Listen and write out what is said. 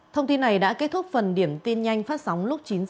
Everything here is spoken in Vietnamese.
thông tin này đã kết thúc phần điểm tin nhanh phát sóng lúc chín h